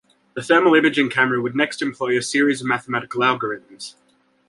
The thermal imaging camera would next employ a series of mathematical algorithms.